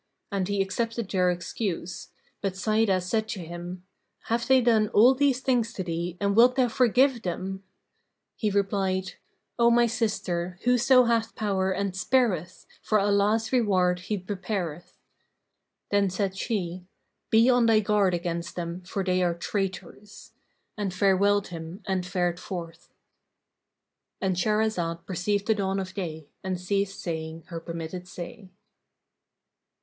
And he accepted their excuse; but Sa'idah said to him, "Have they done all these things to thee and wilt thou forgive them?" He replied, "O my sister, whoso hath power[FN#545] and spareth, for Allah's reward he prepareth." Then said she, "Be on thy guard against them, for they are traitors;" and farewelled him and fared forth.—And Shahrazad perceived the dawn of day and ceased saying her permitted say.